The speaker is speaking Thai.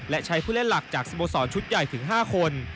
และใช้ผู้เล่นหลักจากสโมสรชุดใหญ่ถึง๕คน